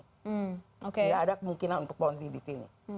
tidak ada kemungkinan untuk ponzi di sini